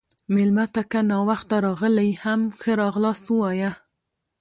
مېلمه ته که ناوخته راغلی، هم ښه راغلاست ووایه.